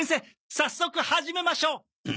早速始めましょう！